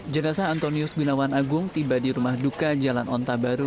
jenazah antonius gunawan agung tiba di rumah duka jalan onta baru